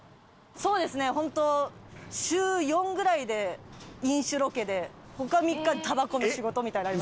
そうですねホント週４ぐらいで飲酒ロケで他３日タバコの仕事みたいな。